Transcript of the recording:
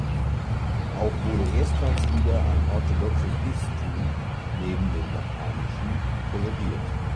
Auch wurde erstmals wieder ein orthodoxes Bistum, neben dem lateinischen, toleriert.